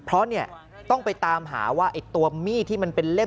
เพราะต้องไปตามหาว่าตัวมี่ที่มันเป็นเล่ม